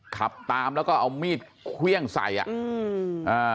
ขับตามแล้วก็เอามีดเครื่องใส่อ่ะอืมอ่า